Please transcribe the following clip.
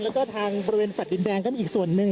แล้วก็ทางบริเวณแฟลตดินแดงก็มีอีกส่วนหนึ่ง